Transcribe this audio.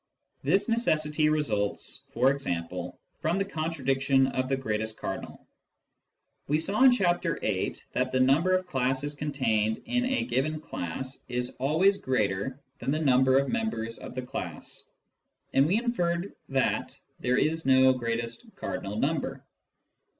This necessity results, for example, from the " contradiction of the greatest cardinal." We saw in Chapter VIII. that the number of classes contained in a given class is always greater than the 136 Introduction to Mathematical Philosophy number of members of the class, and we inferred that there is no greatest cardinal number.